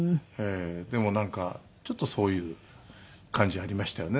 でもなんかちょっとそういう感じありましたよね。